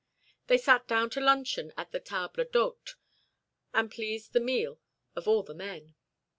They sat down to luncheon at the table d'hôte, and pleased the meal of all the men.